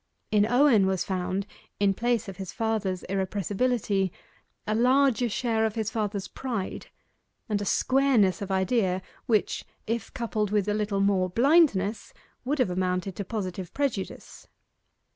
In Owen was found, in place of his father's impressibility, a larger share of his father's pride, and a squareness of idea which, if coupled with a little more blindness, would have amounted to positive prejudice.